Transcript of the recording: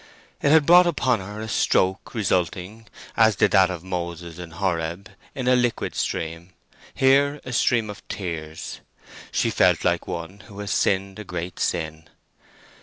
It had brought upon her a stroke resulting, as did that of Moses in Horeb, in a liquid stream—here a stream of tears. She felt like one who has sinned a great sin.